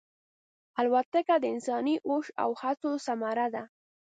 الوتکه د انساني هوش او هڅو ثمره ده.